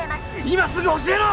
今すぐ教えろ！